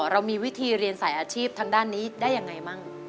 เรามีวิธีเรียนสายอาชีพทางด้านนี้ได้ยังไงบ้าง